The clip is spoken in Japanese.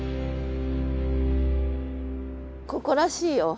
ここらしいよ。